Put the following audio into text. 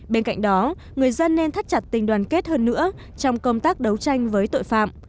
bên cạnh đó người dân nên thắt chặt tình đoàn kết hơn nữa trong công tác đấu tranh với tội phạm